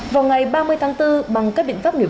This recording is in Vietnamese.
vào ngày ba mươi tháng bốn bằng các biện pháp nghiệp vụ